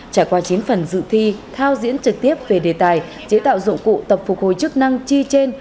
trải qua chín phần dự thi thao diễn trực tiếp về đề tài chế tạo dụng cụ tập phục hồi chức năng chi trên